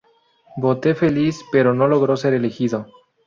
Vote Feliz, pero no logró ser elegido.